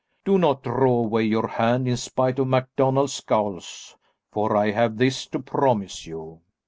Do not draw away your hand, in spite of MacDonald's scowls, for I have this to promise you.